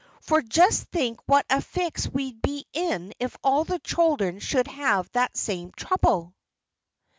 For just think what a fix we'd be in if all the children should have that same trouble!"